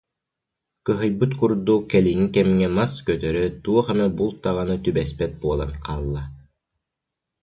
Кыһайбыт курдук кэлиҥҥи кэмҥэ мас көтөрө, туох эмэ булт даҕаны түбэспэт буолан хаалла